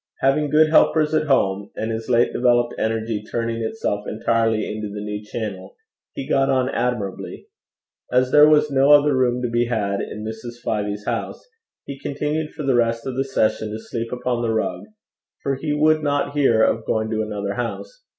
Having good helpers at home, and his late developed energy turning itself entirely into the new channel, he got on admirably. As there was no other room to be had in Mrs. Fyvie's house, he continued for the rest of the session to sleep upon the rug, for he would not hear of going to another house.